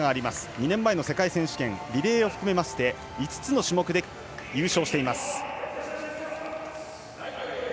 ２年前の世界選手権リレーを含めて５つの種目で優勝しています。